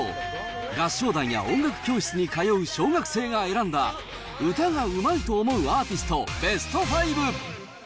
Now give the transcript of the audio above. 合唱団や音楽教室に通う小学生が選んだ、歌がうまいと思うアーティストベスト５。